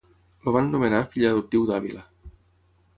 El van nomenar fill adoptiu d'Àvila.